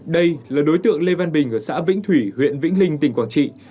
đây là đối tượng lê văn bình ở xã vĩnh thủy huyện vĩnh linh tỉnh quảng trị